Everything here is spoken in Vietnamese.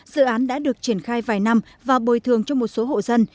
dự án đã được triển khai vài năm và bồi thường cho một số hộ dân